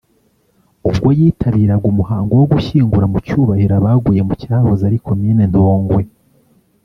ubwo yitabiraga umuhango wo gushyingura mu cyubahiro abaguye mu cyahoze ari Komine Ntongwe